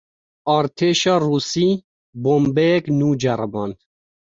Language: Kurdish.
Artêşa Rûsî, bombeyek nû ceriband